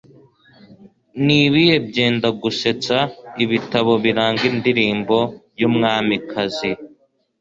Nibihe Byendagusetsa Ibitabo Biranga Indirimbo Yumwamikazi